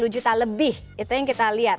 satu ratus tiga puluh juta lebih itu yang kita lihat